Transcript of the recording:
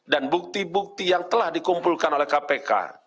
dan bukti bukti yang telah dikumpulkan oleh kpk